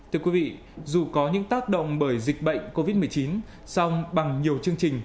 thưa quý vị dù có những tác động bởi dịch bệnh covid một mươi chín song bằng nhiều chương trình